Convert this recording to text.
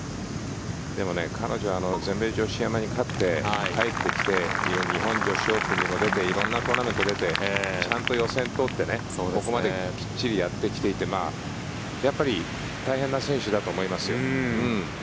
でも彼女は全米女子アマに勝って帰ってきて日本で勝負にも出て色んなトーナメントにも出てちゃんと予選を通ってここまできっちりやってきていてやっぱり大変な選手だと思いますよ。